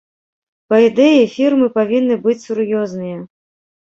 Па ідэі, фірмы павінны быць сур'ёзныя.